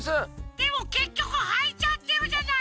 でもけっきょくはいちゃってるじゃないの！